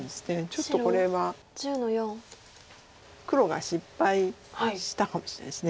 ちょっとこれは黒が失敗したかもしれないです。